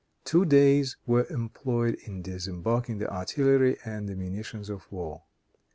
Two days were employed in disembarking the artillery and the munitions of war.